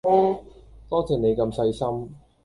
多謝你咁細心